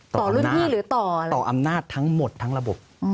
ต่ออำนาจต่ออำนาจทั้งหมดทั้งระบบ